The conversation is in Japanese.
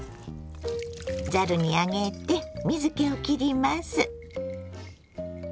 ざるに上げて水けをきります。